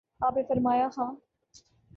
آپ نے فرمایا: ہاں